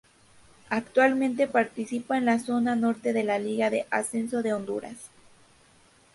Actualmente participa en la Zona Norte de la Liga de Ascenso de Honduras.